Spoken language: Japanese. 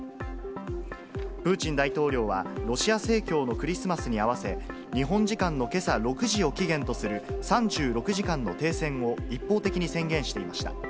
プーチン大統領は、ロシア正教のクリスマスに合わせ、日本時間のけさ６時を期限とする３６時間の停戦を、一方的に宣言していました。